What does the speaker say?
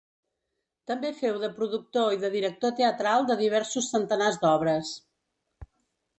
També feu de productor i de director teatral de diversos centenars d'obres.